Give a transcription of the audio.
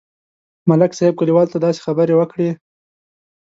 ملک صاحب کلیوالو ته داسې خبرې وکړې.